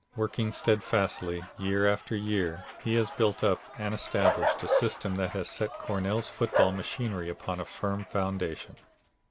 Working steadfastly year after year he has built up and established a system that has set Cornell's football machinery upon a firm foundation.